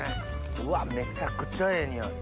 うわっめちゃくちゃええ匂い。